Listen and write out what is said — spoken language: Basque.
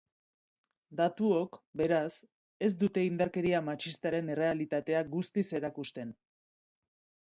Datuok, beraz, ez dute indarkeria matxistaren errealitatea guztiz erakusten.